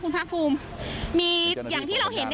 คุณภาคภูมิพยายามอยู่ในจุดที่ปลอดภัยด้วยนะคะ